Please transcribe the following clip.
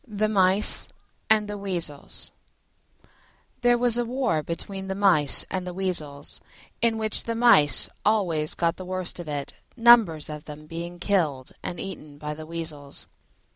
THE MICE AND THE WEASELS There was war between the Mice and the Weasels, in which the Mice always got the worst of it, numbers of them being killed and eaten by the Weasels.